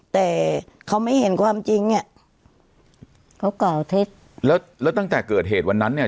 แต่เขาไม่เห็นความจริงเนี้ยเขากล่าวเท็จแล้วแล้วตั้งแต่เกิดเหตุวันนั้นเนี่ย